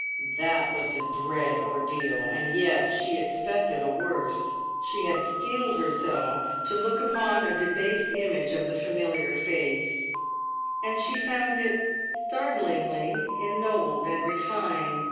That was a dread ordeal, and yet she expected a worse. She had steeled herself to look upon a debased image of the familiar face, and she found it startlingly ennobled and refined.